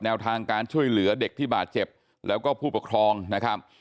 ทางการช่วยเหลือเด็กที่บาดเจ็บแล้วก็ผู้ปกครองนะครับ